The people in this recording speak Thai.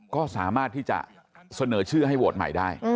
ก็สามารถที่จะเสนอชื่อให้โหวตใหม่ได้